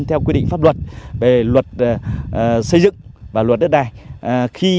theo quy định pháp luật về luật xây dựng và luật đất đài khi